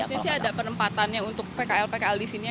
maksudnya sih ada penempatannya untuk pkl pkl di sini ya